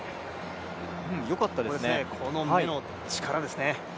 この胸の力ですね。